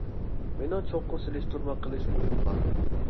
مېنىڭ چوڭقۇر سېلىشتۇرما قىلىش ئويۇم بار.